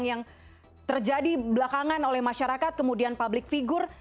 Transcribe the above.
yang terjadi belakangan oleh masyarakat kemudian publik figur